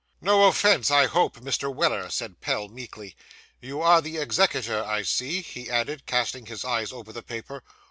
'No offence, I hope, Mr. Weller,' said Pell meekly. 'You are the executor, I see,' he added, casting his eyes over the paper.